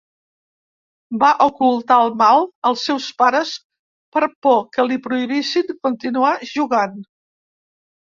Va ocultar el mal als seus pares per por que li prohibissin continuar jugant.